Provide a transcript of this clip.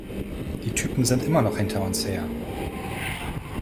Die Typen sind immer noch hinter uns her!